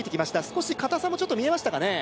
少し硬さもちょっと見えましたかね